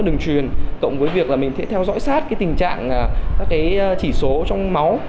đường truyền cộng với việc là mình sẽ theo dõi sát cái tình trạng các cái chỉ số trong máu